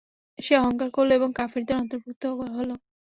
সে অহংকার করল এবং কাফিরদের অন্তর্ভুক্ত হলো।